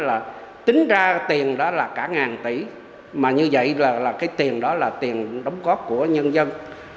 mà tham dũng đó thì tính ra tiền đó là cả ngàn tỷ mà như vậy là cái tiền đó là tiền đóng góp của nhân dân